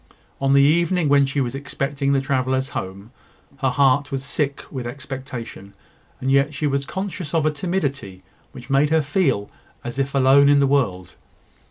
On the evening when she was expecting the travellers home, her heart was sick with expectation; and yet she was conscious of a timidity which made her feel as if alone in the world.